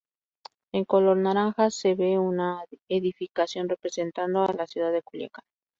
En color naranja se ve una edificación, representando a la ciudad de Culiacán.